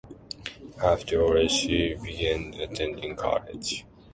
Afterwards, she begins attending college.